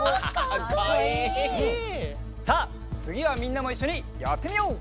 さあつぎはみんなもいっしょにやってみよう！